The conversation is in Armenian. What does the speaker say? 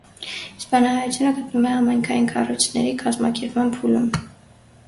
Իսպանահայությունը գտնվում է համայնքային կառույցների կազմակերպման փուլում։